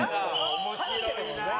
面白いな。